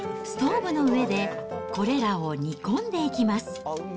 ストーブの上で、これらを煮込んでいきます。